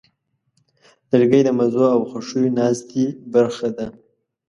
لرګی د مزو او خوښیو ناستې برخه ده.